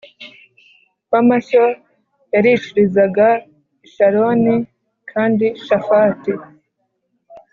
w amashyo yarishirizaga i Sharoni kandi Shafati